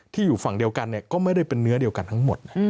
อยู่ฝั่งเดียวกันก็ไม่ได้เป็นเนื้อเดียวกันทั้งหมด